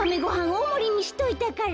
おおもりにしといたから」。